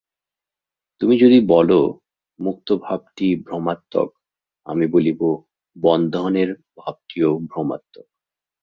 তুমি যদি বল, মুক্তভাবটি ভ্রমাত্মক, আমি বলিব, বন্ধনের ভাবটিও ভ্রমাত্মক।